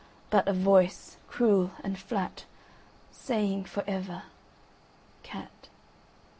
But a voice cruel and flatSaying for ever, "Cat!